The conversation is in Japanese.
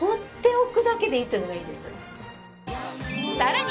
さらに！